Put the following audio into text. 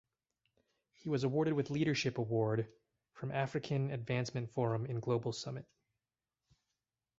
He was awarded with leadership award from African Advancement Forum in global Summit.